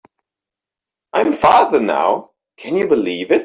I am father now, can you believe it?